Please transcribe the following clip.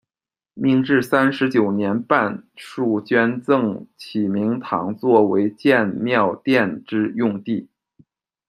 明治三十九年半数捐赠启明堂做为建庙殿之用地。